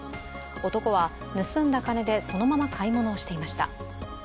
男は、盗んだ金でそのまま買い物をしていました。